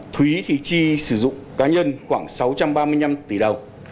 thúy thì chi sử dụng cá nhân khoảng sáu trăm ba mươi năm tỷ đồng